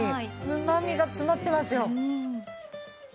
うま味が詰まってますよ。